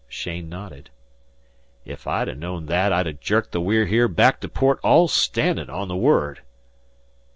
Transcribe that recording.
Cheyne nodded. "If I'd known that I'd ha' jerked the We're Here back to port all standin', on the word."